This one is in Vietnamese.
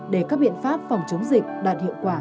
để các biện pháp phòng chống dịch đạt hiệu quả